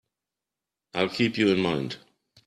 I'll keep you in mind.